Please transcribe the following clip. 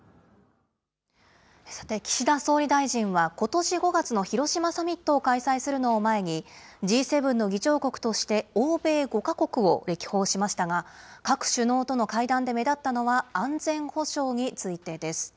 さて、岸田総理大臣は、ことし５月の広島サミットを開催するのを前に、Ｇ７の議長国として、欧米５か国を歴訪しましたが、各首脳との会談で目立ったのは、安全保障についてです。